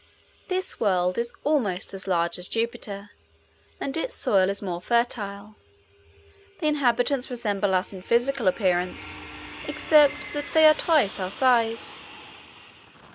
This world is almost as large as Jupiter, and its soil is more fertile. The inhabitants resemble us in physical appearance, except that they are twice our size.